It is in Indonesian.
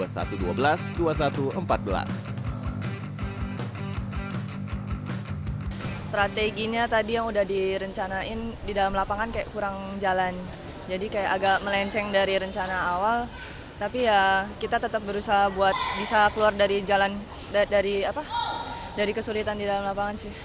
strateginya tadi yang udah direncanain di dalam lapangan kayak kurang jalan jadi kayak agak melenceng dari rencana awal tapi ya kita tetap berusaha buat bisa keluar dari kesulitan di dalam lapangan sih